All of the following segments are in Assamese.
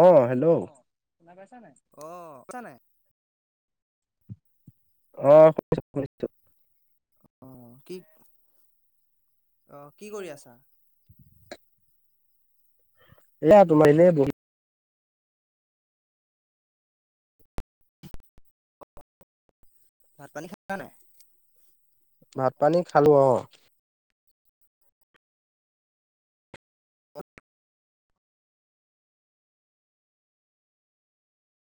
অ' হেল্ল'। অ' বুইছা নাই? অ' [unintelligible] অ' কিক অ' কি কৰি আছা? এয়া তোমাৰ এনেয়ে বহি ভাত পানী খালা নে নাই? ভাত পানী খালোঁ অ'।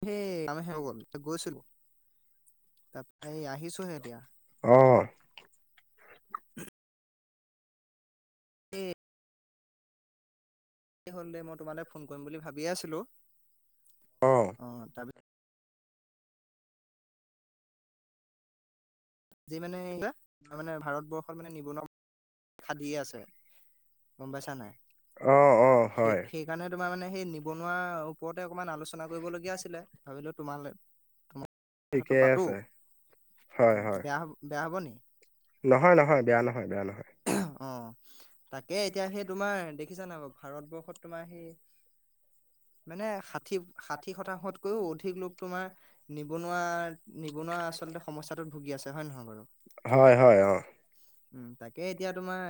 হে আমাৰ আমাৰ হৈ গ'ল। [unintelligible] তাতখাই আহিছোঁহে এতিয়া। অ'। এ হ'ল দেই। মই তোমালে ফোন কৰিম বুলি ভাবিয়ে আছিলোঁ। অ' তাৰপি আজি মানে কিবা মানে ভাৰতবৰ্ষত মানে নিবনুৱা খাদিয়ে আছে। গম পাইছা নাই সেই সেইকাৰণে তোমাৰ মানে সেই নিবনুৱা ওপৰতে অকমান আলোচনা কৰিবলগীয়া আছিলে ভাবিলো তোমাৰ ঠিকেই আছে নহয় নহয় বেয়া নহয় বেয়া নহয় তাকে এতিয়া সেই তোমাৰ দেখিছা ন ভাৰতবৰ্ষত তোমাৰ সি মানে ষাঠি ষাঠি শতাংশতকৈও অধিক লোক তোমাৰ নিবনুৱা নিব কোনোবা আচলতে সমস্যাতো ভুগি আছে হয় নহয় বাৰু উম তাকে এতিয়া তোমাৰ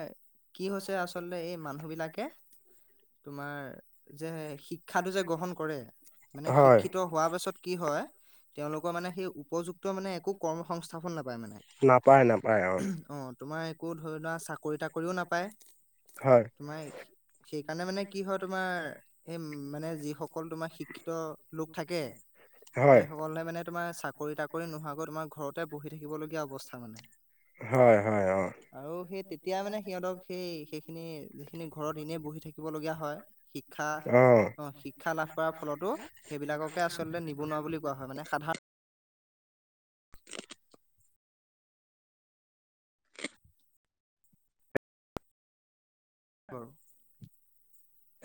কি হৈছে আচলতে এই মিলাকে তোমাৰ যে শিক্ষাটো যে গ্ৰহণ কৰে মানে শিক্ষিত হোৱাৰ পাছত কি হয় তেওঁলোকৰ মানে সেই উপযুক্ত মানে একো কৰ্ম সংস্থাপন নাপায়। মানে অ', তোমাৰ একো ধৰি লোৱা চাকৰি তাকৰিও নাপায়। তোমাৰ সেইকাৰণে মানে কি হয় তোমাৰ এই মানে যিসকল তোমাৰ শিক্ষিত লোক থাকে। সেইসকলে মানে তোমাৰ চাকৰি তাকৰি নোহোৱাকৈ তোমাৰ ঘৰতে বহি থাক কিবলগীয়া অৱস্থা মানে আৰু সেই তেতিয়া মানে সি সেই সেইখিনি যিখিনি ঘৰত এনেই বহি থাকিব লগীয়া হয় শিক্ষা অ শিক্ষা লাভ কৰাৰ ফলতো সেইবিলাককে আচলতে নিবনুৱা বুলি কোৱা হয় মানে সাধাৰণ। [inaudible]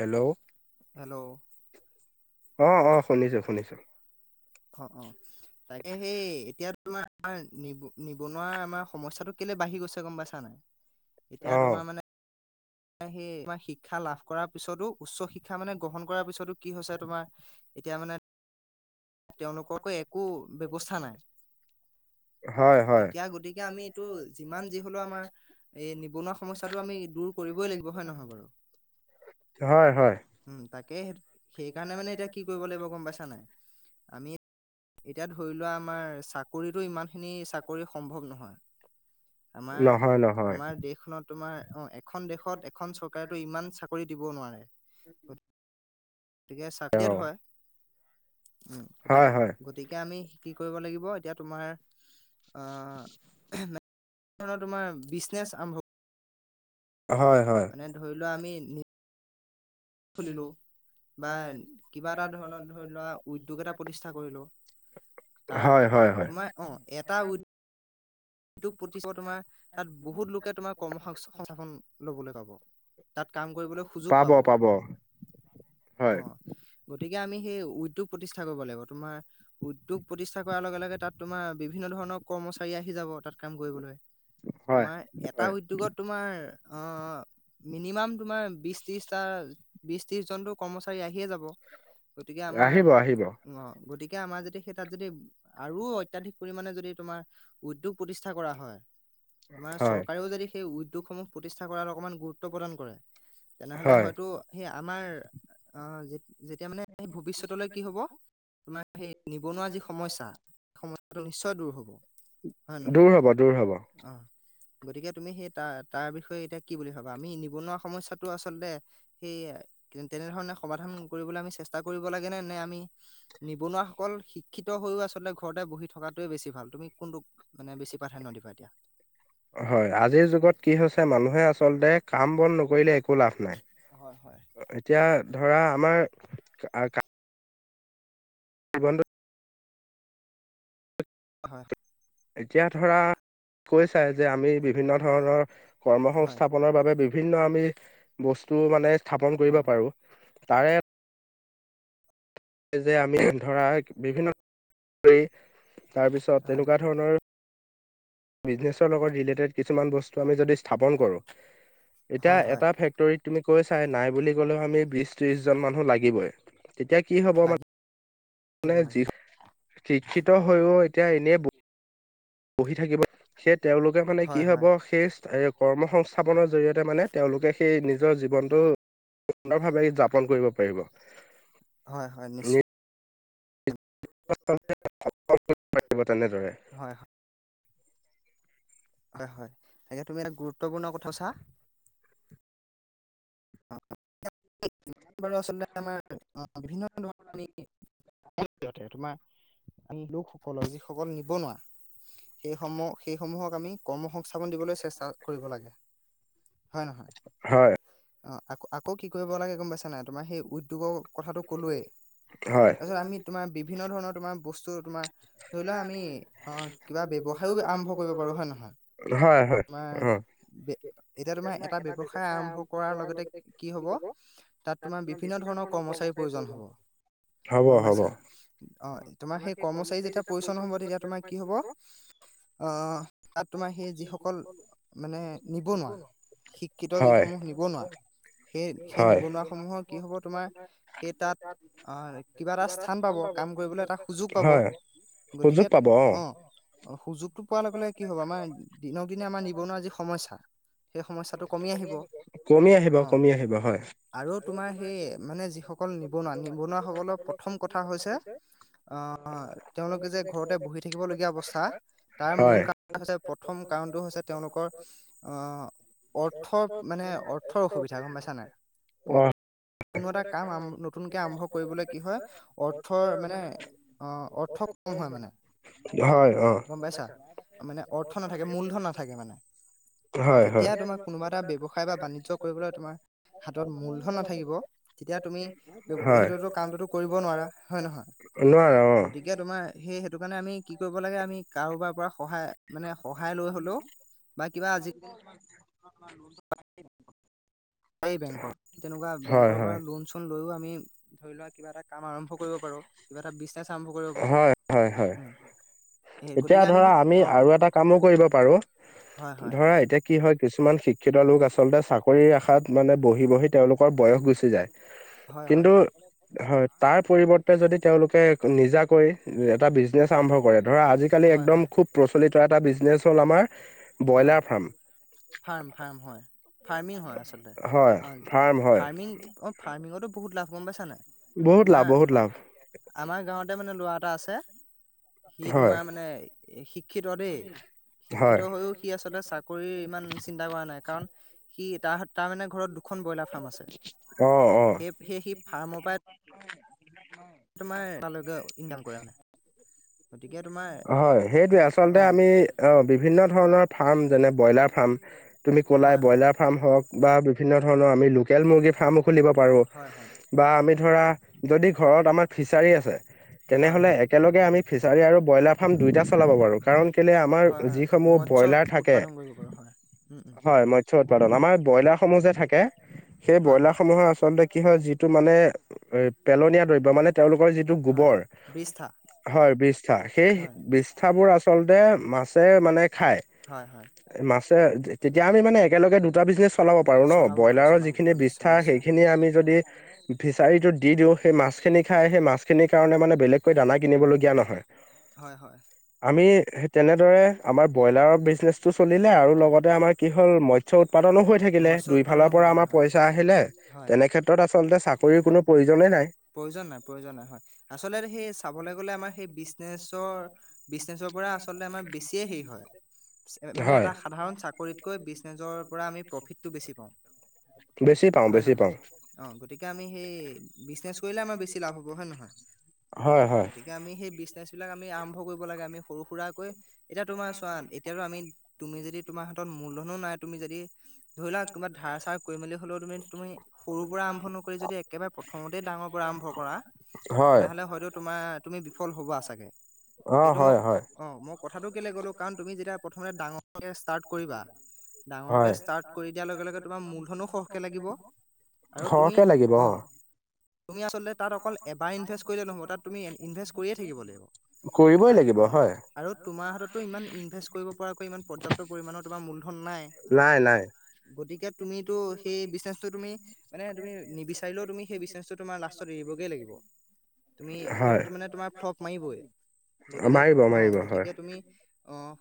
হেল্ল'। হেল্ল'। অ অ শুনিছো শুনিছো। অ অ। [unintelligible] তাকে সেই এতিয়া তোমাৰ আমাৰ নিব নিবনুৱা আমাৰ সমস্যাটো কেলে বাঢ়ি গৈছে গম পাইছা নাই এতিয়া তোমাৰ মানে। সেই তমাৰ শিক্ষা লাভ কৰাৰ পিছতো উচ্চ শিক্ষা মানে গ্ৰহণ কৰাৰ পিছতো কি হৈছে তোমাৰ। এতিয়া মানে। তেওঁলোকৰকো একো ব্যৱস্থা নাই। এতিয়া গতিকে আমি এইটো যিমান যি হলেও আমাৰ এই নিবনুৱা সমস্যাটো আমি। দূৰ কৰিবই লাগিব হয় নহয় বাৰু। হয় হয়। উম তাকে সেইকাৰণে মানে এতিয়া কি কৰিব লাগিব গম পাইছা নাই আমি। এতিয়া ধৰি লোৱা আমাৰ চাকৰিতটো ইমানখিনি চাকৰি সম্ভৱ নহয়। আমাৰ। আমাৰ দেশখনত তোমাৰ অ এখন দেশত এখন চৰকাৰেতো ইমান চাকৰি দিবও নোৱাৰে। [inaudible] গতিকে চাৰ্টিফিকেট হয়। উম গতিকে গতিকে আমি কি কৰিব লাগিব এতিয়া তোমাৰ। আহ ধণৰ তোমাৰ বিজনেচ আৰম্ভ। হয় হয়। খোলিলো। বা কিবা এটা ধৰণৰ ধৰি লোৱা উদ্যোগ এটা প্ৰতিষ্ঠা কৰিলোঁ। তাৰ তোমাৰ অঁ এটা উ উদ্যোগ প্ৰতি তোমাৰ তাত বহুত লোকে তোমাৰ কৰ্ম সংস্থাপন লবলৈ পাব। পাব পাব। অ গতিক কে আমি সেই উদ্যোগ প্ৰতিষ্ঠা কৰিব লাগিব, তোমাৰ উদ্যোগ প্ৰতিষ্ঠা কৰাৰ লগে লগে তাত তোমাৰ বিভিন্ন ধৰণ নৰ কৰ্মচাৰী আহি যাব। তাত কাম কৰিবলৈ, তোমাৰ এটা উদ্যোগত তোমাৰ অ মিনিমাম তোমাৰ বিশ ত্ৰিশটা বিশ ত্ৰিশ জনটো কৰ্মচাৰী আহিয়ে যাব। গতিকে আমাৰ অ গতিক কে আমাৰ যদি সেই তাত যদি আৰু অত্যাধিক পৰিমানে যদি তোমাৰ উদ্যোগ প্ৰতিষ্ঠা কৰা হয় তোমাৰ চৰকাৰেও যদি সেই উদ্যোগসমূহ প্ৰতিষ্ঠা কৰাত অকমান গুৰুত্ব প্ৰদান কৰে তেনেহলে হয়তো সেই আমাৰ অ যেতিয়া মানে স ভৱিষ্যতলৈ কি হব তোমাৰ সেই নিবনুৱা যি সমস্যা সেই সমস্যাটো নিশ্চয় দূৰ হব দূৰ হব দূৰ হব গতিকে তুমি সেই তাৰ তাৰ বিষয়ে এতিয়া কি বুলি ভাবা আমি নিবনুৱা সমস্্যাতটো আচলতে সেই তেনেধৰণে সমাধান কৰিবলৈ আমি চেষ্টা কৰিব লাগে নে নে আমি নিবনুৱাাসকল শিক্ষিত হৈও আছো আচলতে ঘৰতে বহি থকাটোৱে বেছি ভাল তুমি কোনটো হয় আজিৰ যুগত কি হৈছে মানুহে আচলতে কাম বন নকৰিলে একো লাভ নাই এতিয়া ধৰা আমাৰ বন্ হয় এতিয়া ধৰা কৈ চাই যে আমি বিভিন্ন ধৰণৰ কৰ্ম সংস্থাপনৰ বাবে বিভিন্ন আমি বস্তু মানে স্থাপন কৰিব পাৰো তাৰে যে আমি ধৰা বিভিন্ন তাৰপিছত তেনেকুৱা ধৰণৰ বিজনেছৰ লগত ৰিলেটেড কিছুমান বস্তু আমি যদি স্থাপন কৰোঁ এতিয়া এটা ফেক্টৰীত তুমি কৈ চাই নাই বুলি ক'লেও আমি বিশ ত্ৰিশ জন মানুহ লাগিবই তেতিয়া কি হব মানে মানে যি শিক্ষিত হৈও এতিয়া এনেই পঢ়ি থাকিব সেই তেওঁলোকে মানে কি হব সেই কৰ্ম সংস্থাপনৰ জৰিয়তে মানে তেওঁলোকে সেই নিজৰ জীৱনটো সুন্দৰ ভাৱে যাপন কৰিব পাৰিব তেনেদৰে হয় হয় তাকে তুমি এটা গুৰুত্বপূৰ্ণ কথা চা বাৰু আচলতে আমাৰ বিভিন্ন ধৰণৰ আমি তে তোমাৰ আমি লোকসকলৰ যিসকল নিবনুৱা সেই সমূহ সেই সমূহক আমি কৰ্ম সংস্থাপন দিবলৈ চেষ্টা কৰিব লাগে হয় অ আকৌ আকৌ কি কৰিব লাগে গম পাইছা নাই তোমাৰ সেই উদ্যোগৰ কথাটো ক'লোৱেই তাৰপিছত আমি তোমাৰ বিভিন্ন ধৰণৰ তোমাৰ বস্তু তোমাৰ ধৰি লোৱা আমি অ কিবা ব্যৱসায়ো আৰম্ভ কৰিব পাৰো হয় নহয় হয় হয় অ এতিয়া তোমাৰ এটা ব্য্ৱসায় আৰম্ভ কৰাৰ লগতে তাত তোমাৰ বিভিন্ন ধৰণৰ কৰ্মচাৰীৰ প্ৰয়োজন হব গম পাইছা অ তোমাৰ সেই কৰ্মচাৰী যেতিয়া পৰিচ্ছন্ন হব তেতিয়া তোমাৰ কি হব অ তাত তোমাৰ সেই যিসকল মানে নিবনুৱা শিক্ষিত যিসমূহ নিবনুৱা সেই সেই নিবনুৱাস সমূহৰ কি হব তোমাৰ সেই তাত অ কিবা এটা স্থান পাব কাম কৰিবলৈ এটা সুযোগ পাব গতিকে অ অ সুযোগটো পোৱাৰ লগে লগে কি হব আমাৰ দিনক দিনে আমাৰ নিবনুৱা যি সমস্যা কমি আহিব কমি আহিব আৰু তোমাৰ সেই মানে যিসকল নিবনুৱা নিবনুৱাাসকলৰ প্ৰথম কথা হৈছে অ যে ঘৰতে তাৰ মূল কাৰণ হৈছে প্ৰথম কাৰণটো হৈছে তেওঁলোকৰ অ অৰ্থ মানে অৰ্থৰ অসুবিধা গম পাইছা নাই অ টা কাম মানে ন হয়, অ'। হয়, হয়। কৰিবলৈ তোমাৰ হাতত মূলধন নাথাকিব, তেতিয়া তুমি অব, সেটোটো কামটোতো কৰিব নোৱাৰা। হয়, নহয়? গতিকে, তোমাৰ, সেই, সেইটো কাৰণে আমি কি কৰিব লাগে, আমি, কাৰোবাৰ পৰা সহায়, মানে সহায় লৈ হ'লেও বা কিবা আজি [unintelligible] [unintelligible] বেংকৰ। তেনেকুৱা বেংকৰ পৰা লোন-চোন লৈও আমি, ধৰি লোৱা কিবা এটা কাম আৰম্ভ কৰিব পাৰোঁ। কিবা এটা বিজনেছ হয়, হয়, হয়। এতিয়া, ধৰা আমি আৰু এটা কামো কৰিব পাৰোঁ, ধৰা এতিয়া কি হয়, কি কিছুমান শিক্ষিত লোক আচলতে চাকৰিৰ আশাত, মানে বহি বহি তেওঁলোকৰ বয়স গুচি যায়। হয়, হয়। হয়। তাৰ পৰিৱৰ্তে যদি তেওঁলোকে নিজাকৈ এটা বিজনেচ আৰম্ভ কৰে, ধৰা, আজিকালি একদম খুব প্ৰচলিত এটা বিজনেছ হ'ল, আমাৰ হয়। ফাৰ্ম, ফাৰ্ম, হয়। ফাৰ্মিং হয়, আচলতে। [unintelligible] ফাৰ্মিং, অ', ফাৰ্মিঙতো বহুত লাভ, গ'ম পাইছা নাই? তোমাৰ, অ'। আমাৰ গাঁৱতে মানে ল'ৰা এটা আছে সি তোমাৰ মানে শিক্ষিত, দেই। শিক্ষিত হৈও আচলতে চাকৰি ইমান চিন্তা কৰা নাই। কাৰণ সি তাৰ, তাৰ মানে ঘৰত দু খন ব্ৰইলাৰ ফাৰ্ম আছে। সেই-সেই সি ফাৰ্মৰ পৰাই তোমাৰ, তালৈকেও ইনকাম কৰে মানে। হয়। সেইটোৱে আচলতে আমি, অ', বিভিন্ন ধৰণৰ ফাৰ্ম যেনে ব্ৰইলাৰ ফাৰ্ম তুমি ক'লাই ব্ৰইলাৰ ফাৰ্ম হওঁক বা বিভিন্ন ধৰণৰ আমি লোকেল মুৰ্গীৰ ফাৰ্ম খুলিব পাৰোঁ বা আমি ধৰা যদি ঘৰত আমাৰ ফিচাৰী আছে, তেনেহ'লে একেলগে আমি ফিচাৰী আৰু ব্ৰইলাৰ ফাৰ্ম, দুইটা চলাব পাৰোঁ। কাৰণ কেলে আমাৰ যিসমূহ ব্ৰইলাৰ থাকে, হয়, মৎস্ উৎপাদন। আমাৰ ব্ৰইলাৰ সমূহ যে থাকে, সেই ব্ৰইলাৰসমূহে আচলতে কি হয়, যিটো মানে এ, পেলনীয়া দ্ৰব্য, মানে তেওঁলোকৰ যিটো গোবৰ, হয়, বিৃষ্ঠা, সেই বিষ্ঠাবোৰ আচ [unintelligible] মাছে মানে খাই। এ, মাছ [unintelligible] তেতিয়া আমি মানে, একেলগে দুটা বিজনেছ চলাব পাৰোঁ ন? ব্ৰইলাৰৰ যিখিনি বিষ্ঠা সেইখিনি আমি যদি ফিচাৰীটোত দি দিওঁ, সেই মাছখিনি খাই, সেই মাছখিনিৰ কাৰণে মানে বেলেগকৈ দানা কিনিবলগীয়া নহয়। হয়, হয়। মি তেনেদৰে আমাৰ ব্ৰইলাৰৰ বিজনেচ বস্তু চলিলে আৰু লগতে আমাৰ কি হ'ল, মৎস্য উৎপাদনো হৈ থাকিলে। দুইফালৰ পৰা আমাৰ পইচা আহিলে, তেনেক্ষেত্ৰত আচলতে চাকৰি কোনো প্ৰয়োজনেই নাই। প্ৰয়োজন নাই, প্ৰয়োজন নাই, হয়। আচলতে সেই চাবলৈ [unintelligible] আমাৰ সেই বিজনেছৰ, বিজনেছৰ পৰা আচলতে, আমাৰ বেছিয়ে হেৰি হয়। [unintelligible] মানে এটা সাধাৰণ চাকৰিতকৈ, বিজনেছৰ পৰা আমি প্ৰফিটটো বেছি পাওঁ। হয়, নহয়? অ', গতিকে আমি সেই বিজনেচ কৰিলে আমাৰ বেছি লাভ হ'ব। হয়, নহয়? গতিকে বিজনেচ বিলাক আমি আৰম্ভ কৰিব লাগে, আমি সৰু সুৰাৰাকৈ। এতিয়া তোমাৰ চোৱা, এতিয়াতো আমি, তুমি যদি তোমাৰ হাতত মূলধনো নাই। তুমি যদি, ধৰি লোৱা, কোনবা ধাৰ চাৰ কৰি মেলি হলেও, তুমি-তুমি সৰুৰ পৰা আৰম্ভ নকৰি, যদি একেবাৰে প্ৰথমতেই ডাঙৰ আৰম্ভ কৰা, হয়, তেনেহ'লে হয়তো তোমাৰ, তুমি বিফল হ'ব চাগে। সেইটো মোক, অ', মই কথাটোটো কেলে কলো, কাৰণ তুমি যেতিয়া প্ৰথমে ডাঙৰকে ষ্টাৰ্ট কৰিবা, ডাঙৰকে ষ্টাৰ্ট কৰি দিয়াৰ লগে লগে তোমাৰ মূলধনো সহকে লাগিব, সৰহকে লাগিব, অ'। [inaudible] কৰিবই লাগিব। আৰু তোমাৰ হাতটো ইমান ইনভেষ্ট কৰিব পৰাকৈ ইমান পৰ্যাপ্ত পৰিমানৰ তোমাৰ মূলধন নাই। গতিকে তুমিটো সেই বিজনেচটো তুমি মানে তুমি নিবিচাৰিলেও তুমি সেই বিজনেচটোত লাষ্টত এৰিবগে লাগিব, তুমি তাত সেইটো মানে তোমাৰ ফ্লপ মাৰিবই। গতিকে অহ গতিকে তুমি অহ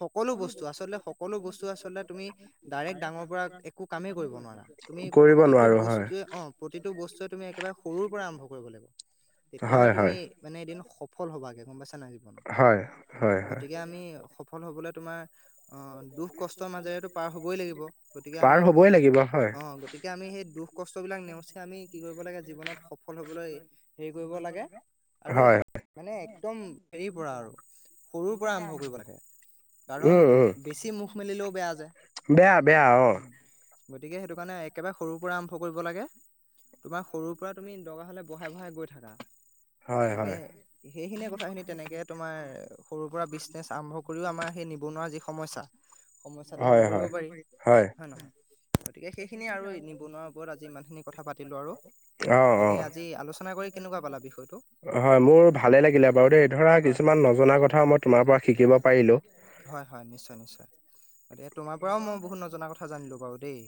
সকলো বস্তু আচলতে সকলো বস্তু আচলতে তুমি ডাইৰেক্ট ডাঙৰ পৰা একো কামেই কৰিব নোৱাৰা। তুমি প্ৰতিটো বস্তুৱে অঁ প্ৰতিটো বস্তুৱে তুমি একেবাৰে সৰুৰ পৰা আৰম্ভ কৰিব লাগিব, তেতিয়াহে তুমি মানে এদিন সফল হবাগে, গম পাইছ জীৱনত গতিকে আমি সফল হবলৈ তোমাৰ পাৰ হবই লাগিব অ গতিকে আমি সেই দুখ কষ্ট বিলাক নেওচি আমি কি কৰিব লাগে জীৱনত সফল হবলৈ হেৰি কৰিব লাগে আৰু মানে একদম হেৰিৰ পৰা আৰু সৰুৰ পৰা আৰম্ভ কৰিব লাগে কাৰণ বেছি মুখ মেলিলেও বেয়া যে গতিকে সেইটো কাৰণে একেবাৰে সৰু পৰা আৰম্ভ কৰিব লাগে তোমাৰ সৰুৰ পৰা তুমি দৰকাৰ হলে বঢ়াই বঢ়াই গৈ থাকা গতিকে সেইখিনিয়ে কথাখিনি তেনেকে তোমাৰ সৰু পৰা বিজনেছ আৰম্ভ কৰিও আমাৰ নিবনুৱা যি সমস্যা সমস্যাটো দৰ কৰিব পাৰি হয় নহয় গতিকে সেইখিনি আৰু নিবনুৱাৰ ওপৰত আজি ইমান খিনি কথা পাতিলো আৰু তাকে আজি আলোচনা কৰি কেনেকুৱা পালা বিষয়টো হয় মোৰ ভালে লাগিলে বাৰু দেই ধৰা কিছুমান নজনা কথা মই তোমাৰ পৰা শিকিব পাৰিলো হয় হয় নিশ্চয় নিশ্চয় গতিকে তোমাৰ পৰাও মই বহুত নজনা কথা জানিলো বাৰু দেই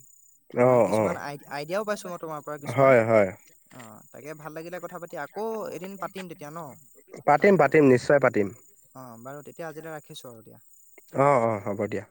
তোমাক কিছুমান আইডিয়াও পাইছো মই তোমাৰ পৰা কিছুমান অ তাকে ভাল লাগিলে কথা পাতি পাতিম পাতিম নিশ্চয় পাতিম এতিয়া আজিলৈ ৰাখিছো আৰু দিয়া অ অ হ'ব দিয়া